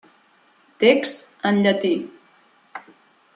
Text en llatí.